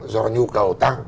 do nhu cầu tăng